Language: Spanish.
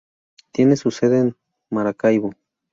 Tiene su sede en Maracaibo.